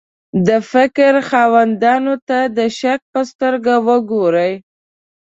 د فکر خاوندانو ته د شک په سترګه وګوري.